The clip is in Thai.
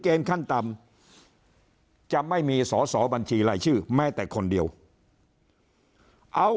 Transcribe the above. เกณฑ์ขั้นต่ำจะไม่มีสบัญชีไรชื่อไม่แต่คนเดียวเอา